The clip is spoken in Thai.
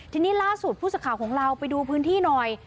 ทีนี้ล่าสุดผู้สื่อข่าวของเราไปดูพื้นที่หน่อย